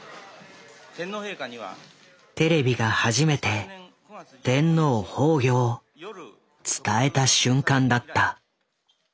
テレビが初めて天皇崩御を伝えた瞬間だった。